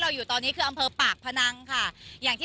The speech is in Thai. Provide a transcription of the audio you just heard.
สนับสนุนโอลี่คัมบรี